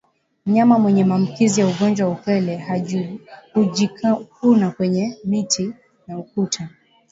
Mnyama mwenye maambukizi ya ugonjwa wa upele hujikuna kwenye miti na ukuta